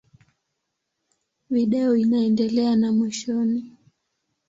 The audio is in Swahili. Video inaendelea na mwishoni.